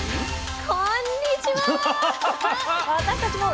こんにちは。